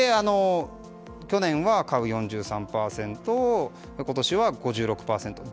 去年は買う４３％今年は５６％。